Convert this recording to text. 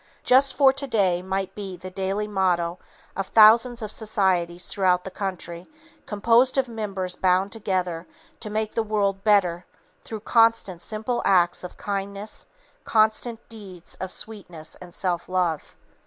"Just for Today" might be the daily motto of thousands of societies throughout the country, composed of members bound together to make the world better through constant simple acts of kindness, constant deeds of sweetness and love.